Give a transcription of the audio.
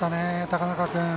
高中君。